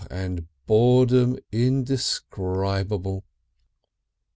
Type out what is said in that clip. and boredom indescribable.